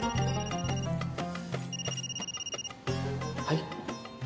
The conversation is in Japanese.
はい。